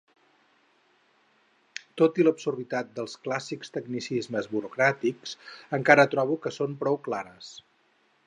Tot i l'absurditat dels clàssics tecnicismes burocràtics, encara trobo que són prou clares.